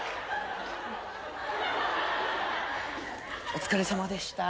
お疲れさまでした。